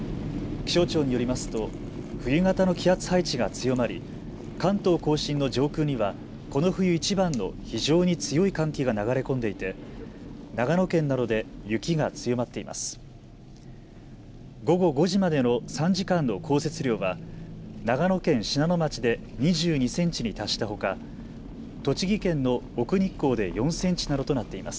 気象庁によりますと冬型の気圧配置が強まり関東甲信の上空にはこの冬いちばんの非常に強い寒気が流れ込んでいて長野県などで雪が強まっています。